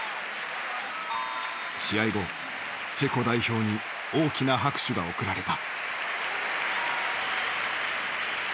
試合後チェコ代表に大きな拍手が送られた。